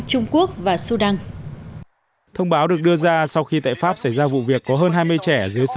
trung quốc và sudan thông báo được đưa ra sau khi tại pháp xảy ra vụ việc có hơn hai mươi trẻ dưới sáu